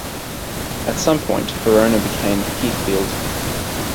At some point her owner became Heathfield.